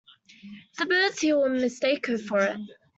The birds here will mistake her for it.